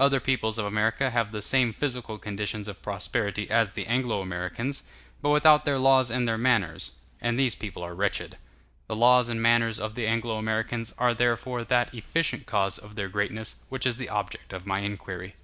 Other peoples of America have the same physical conditions of prosperity as the Anglo Americans, but without their laws and their manners; and these peoples are wretched. The laws and manners of the Anglo Americans are therefore that efficient cause of their greatness which is the object of my inquiry.